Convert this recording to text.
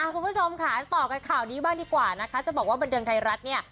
คุณผู้ชมค่ะต่อกันข่าวนี้บ้างดีกว่านะคะจะบอกว่าบันเทิงไทยรัฐเนี่ย